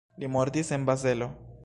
Li mortis en Bazelo.